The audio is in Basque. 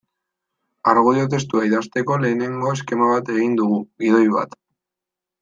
Argudio testua idazteko lehenengo eskema bat egin dugu, gidoi bat.